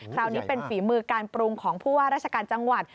คราวนี้เป็นฝีมือการปรุงของผู้ว่าราชการจังหวัด